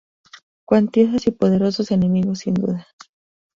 Cuantiosos y poderosos enemigos, sin duda